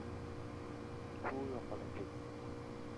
Suv yoqalab yurdi.